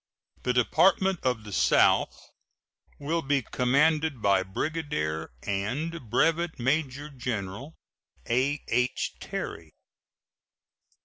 The Department of the South will be commanded by Brigadier and Brevet Major General A.H. Terry.